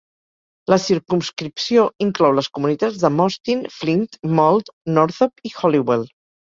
La circumscripció inclou les comunitats de Mostyn, Flint, Mold, Northop i Holywell.